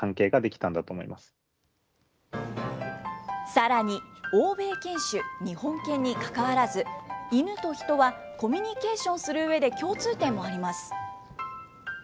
さらに、欧米犬種、日本犬にかかわらず、イヌとヒトはコミュニケーションするうえで共通点もあります。